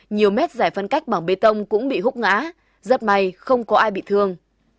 nhiều mét giải phân cách bằng bê tông cũng bị hút ngã rất may không có ai bị thương